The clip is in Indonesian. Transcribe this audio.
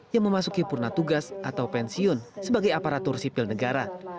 yang memasuki purna tugas atau pensiun sebagai aparatur sipil negara